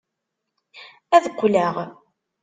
Ad qqleɣ.